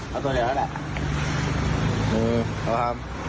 เอาตัวเดี๋ยวแล้วแหละ